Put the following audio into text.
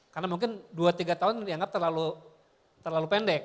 karena mungkin dua tiga tahun dianggap terlalu pendek